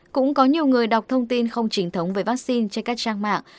cũng có nhiều người đọc thông tin không chính thống về vaccine trên các trang mạng